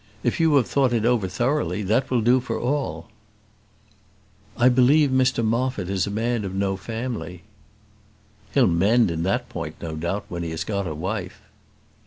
If you have thought it over thoroughly, that will do for all." "I believe Mr Moffat is a man of no family." "He'll mend in that point, no doubt, when he has got a wife."